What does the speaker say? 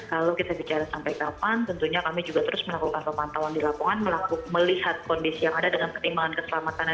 kalau kita bicara sampai kapan tentunya kami juga terus melakukan pemantauan di lapangan melihat kondisi yang ada dengan pertimbangan keselamatannya